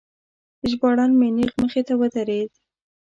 ژباړن مې نیغ مخې ته ودرید.